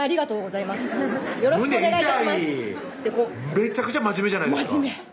めちゃくちゃ真面目じゃないですか